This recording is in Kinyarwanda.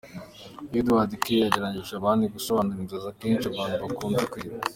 Edouard K. yagerageje kandi gusobanura inzozi akenshi abantu bakunze kugira.